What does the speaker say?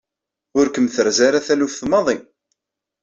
Ur kem-terzi ara taluft maḍi.